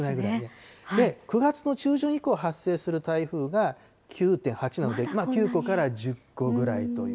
９月の中旬以降発生する台風が９．８なので、まだ９個から１０個ぐらいという。